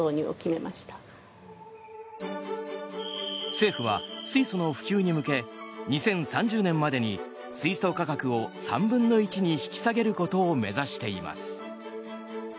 政府は水素の普及に向け２０３０年までに水素価格を３分の１に引き下げることを目指しています。